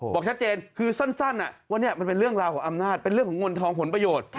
บอกชัดเจนคือสั้นว่านี่มันเป็นเรื่องราวของอำนาจเป็นเรื่องของเงินทองผลประโยชน์